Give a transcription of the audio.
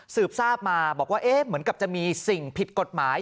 สืบทราบมาบอกว่าเหมือนกับจะมีสิ่งผิดกฎหมาย